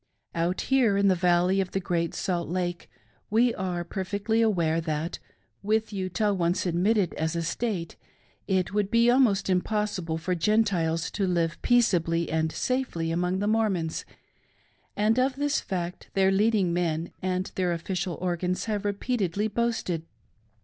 Out here in the Valley of the Great Salt Lake we are perfectly well aware that, with Utah once admitted as a State, it would be almost impossible for Gentiles to live peaceably and safely among the Mormons ; and of this fact their leading men and their official organs have repeatedly boasted.